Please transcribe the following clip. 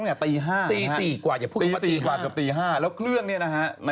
เยอะ